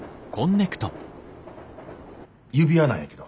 指輪なんやけど。